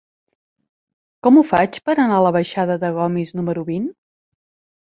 Com ho faig per anar a la baixada de Gomis número vint?